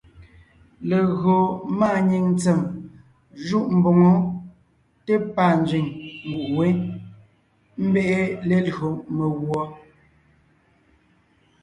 Legÿo máanyìŋ ntsèm jûʼ mboŋó té pâ nzẅìŋ nguʼ wé, ḿbe’e lelÿò meguɔ.